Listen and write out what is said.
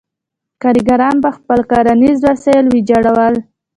کارګران به خپل کرنیز وسایل ویجاړول.